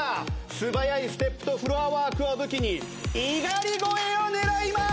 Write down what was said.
素早いステップとフロアワークを武器に猪狩超えを狙います！